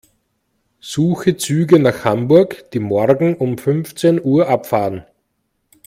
Suche Züge nach Hamburg, die morgen um fünfzehn Uhr abfahren.